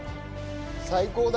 最高だ。